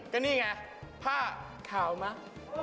ก็นี่ไงผ้าขาวมั้ง